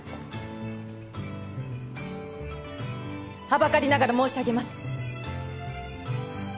はばかりながら申し上げます。